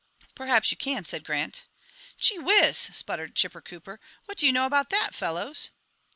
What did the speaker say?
"Perhaps you can," said Grant. "Gee whiz!" spluttered Chipper Cooper. "What do you know about that, fellows?"